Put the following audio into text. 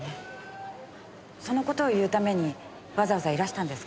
その事を言うためにわざわざいらしたんですか？